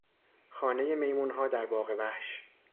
خانهی میمونها در باغ وحش